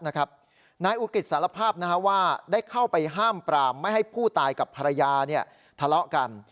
นายอุกฤษสารภาพว่าได้เข้าไปห้ามปรามไม่ให้ผู้ตายกับภรรยาทะเลาะกัน